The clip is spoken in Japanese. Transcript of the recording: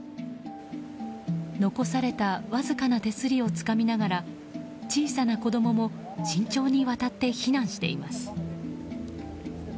残されたわずかな手すりをつかみながら小さな子供も慎重に渡って避難しています。